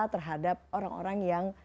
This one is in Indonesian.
terhadap orang orang yang